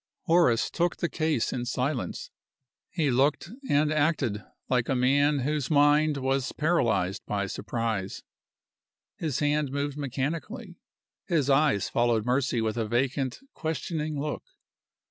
Horace took the case in silence; he looked and acted like a man whose mind was paralyzed by surprise. His hand moved mechanically. His eyes followed Mercy with a vacant, questioning look.